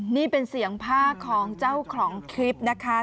นี่เป็นเสียงผ้าของเจ้าของคลิปนะคะ